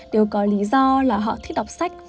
đều có lý do là họ thích đọc sách